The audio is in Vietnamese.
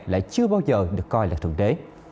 lại chưa bao giờ được coi là thượng đế